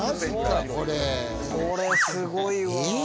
これ、すごいわ。